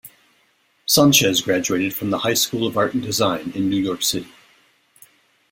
Sanchez graduated from the High School of Art and Design in New York City.